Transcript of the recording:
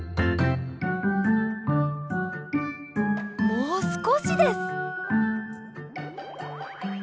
もうすこしです。